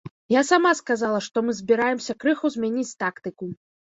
Я сама сказала, што мы збіраемся крыху змяніць тактыку.